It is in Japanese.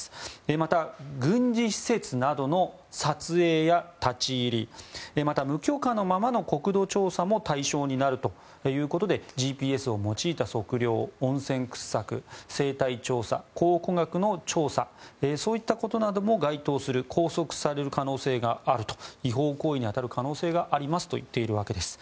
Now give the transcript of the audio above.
また、軍事施設などの撮影や立ち入りまた、無許可のままの国土調査も対象になるということでＧＰＳを用いた測量、温泉掘削生態調査、考古学の調査そういったことなども該当し拘束される可能性がある違法行為に当たる可能性がありますといっています。